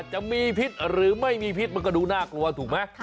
จะมีพิษหรือไม่มีพิษมันก็ดูน่ากลัวถูกไหม